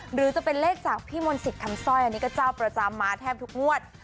หรือจะเป็นเลขจากพี่มนต์สิทธิ์คำสร้อยอันนี้ก็เจ้าประจำมาแทบทุกงวด